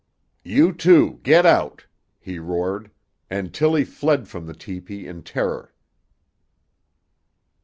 "You, too, get out!" he roared, and Tillie fled from the tepee in terror.